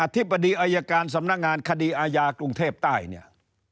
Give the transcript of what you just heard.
ธิบดีอายการสำนักงานคดีอาญากรุงเทพใต้เนี่ย